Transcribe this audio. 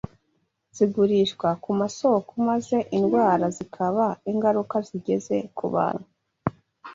zigurishwa ku masoko maze indwara zikaba ingaruka zigera ku bantu.